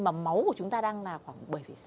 mà máu của chúng ta đang là khoảng bảy sáu